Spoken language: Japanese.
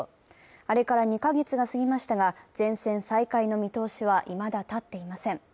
あれから２か月が過ぎましたが、全線再開の見通しは立っていません。